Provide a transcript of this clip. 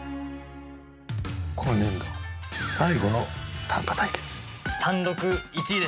今年度最後の短歌対決。